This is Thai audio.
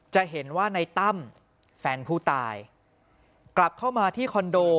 จะเห็นว่าในตั้มแฟนผู้ตายกลับเข้ามาที่คอนโด